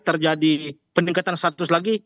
terjadi peningkatan status lagi